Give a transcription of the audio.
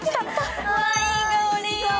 わ、いい香り。